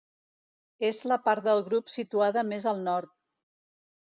És la part del grup situada més al nord.